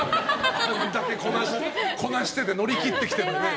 これだけこなしてて乗り切ってるのにね。